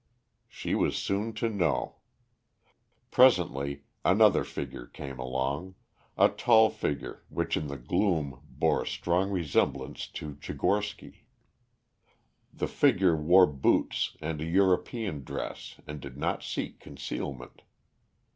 She was soon to know. Presently another figure came along, a tall figure which in the gloom bore a strong resemblance to Tchigorsky. The figure wore boots and a European dress and did not seek concealment.